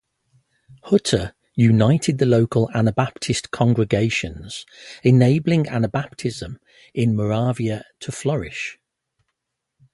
Hutter united the local Anabaptist congregations, enabling Anabaptism in Moravia to flourish.